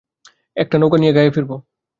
একটা নৌকা নিয়ে গাঁয়ে ফিরব!